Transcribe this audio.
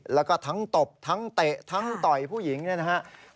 แล้วก็ทั้งตบทั้งเตะทั้งต่อยผู้หญิงเนี่ยนะครับ